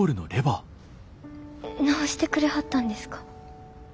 直してくれはったんですか。